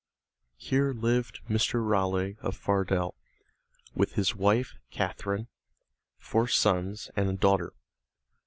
Here lived Mr. Raleigh of Fardell with his wife Katherine, four sons and a daughter.